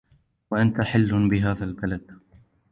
وأنت حل بهذا البلد